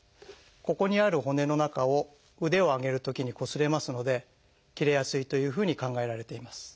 ここにある骨の中を腕を上げるときにこすれますので切れやすいというふうに考えられています。